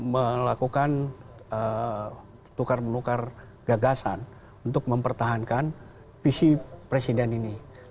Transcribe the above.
melakukan tukar menukar gagasan untuk mempertahankan visi presiden ini